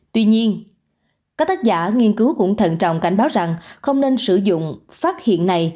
tuy nhiên các tác giả nghiên cứu cũng thận trọng cảnh báo rằng không nên sử dụng phát hiện này